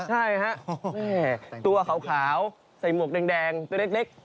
ใช่ฮะตัวขาวใส่หมวกแดงตัวเล็ก